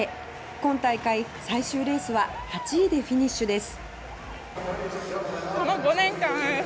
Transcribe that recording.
今大会最終レースは８位でフィニッシュです。